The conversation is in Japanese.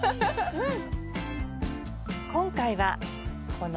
うん！